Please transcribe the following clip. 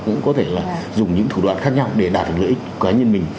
cũng có thể là dùng những thủ đoạn khác nhau để đạt được lợi ích cá nhân mình